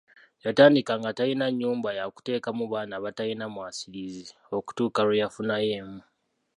Yatandika nga talina nnyumba yakuteekamu baana abatalina mwasiriza okutuuka lwe yafunayo emu.